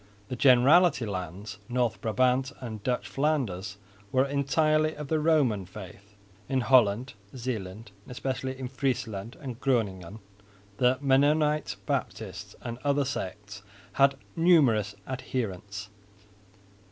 The Generality lands, North Brabant and Dutch Flanders, were entirely of the Roman faith. In Holland, Zeeland and especially in Friesland and Groningen the Mennonite Baptists and other sects had numerous adherents.